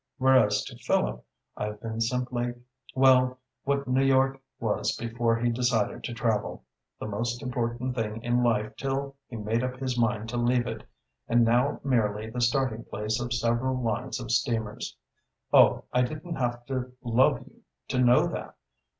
Whereas to Philip I've been simply well, what New York was before he decided to travel: the most important thing in life till he made up his mind to leave it; and now merely the starting place of several lines of steamers. Oh, I didn't have to love you to know that!